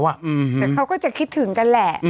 แต่เขาก็จะคิดถึงกันแหละ